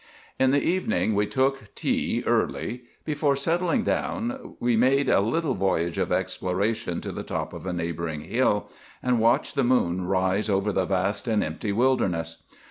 In the evening we took tea early. Before settling down we made a little voyage of exploration to the top of a neighboring hill, and watched the moon rise over the vast and empty wilderness.